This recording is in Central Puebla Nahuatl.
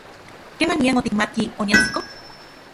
¿Kemanian otikmatki oniajsiko?